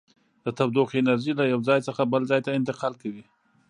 د تودوخې انرژي له یو ځای څخه بل ځای ته انتقال کوي.